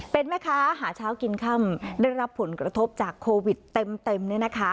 เป็นไหมคะหาเช้ากินค่ำได้รับผลกระทบจากโควิดเต็มนี่นะคะ